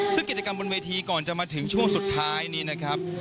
ซึ่งกิจกรรมบนเวทีก่อนจะมาถึงช่วงสุดท้ายนี้นะครับ